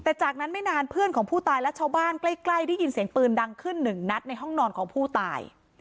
แต่จากนั้นไม่นานเพื่อนของผู้ตายและชาวบ้านใกล้ได้ยินเสียงปืนดังขึ้นหนึ่งนัดในห้องนอนของผู้ตาย